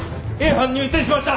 班入店しました。